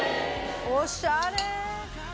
おしゃれ。